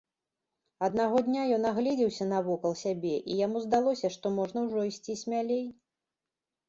Аднаго дня ён агледзеўся навокал сябе, і яму здалося, што можна ўжо ісці смялей.